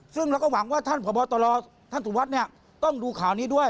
ซึ่งเราก็หวังว่าท่านผ่อบอตรท่านสุรวัตรเนี่ยต้องดูข่านี้ด้วย